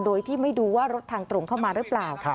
โดยที่ไม่รู้ว่ารถทางตรงเข้ามาหรือเปล่า